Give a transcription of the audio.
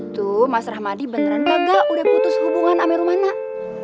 tuh mas rahmadi beneran nggak udah putus hubungan sama rumah nak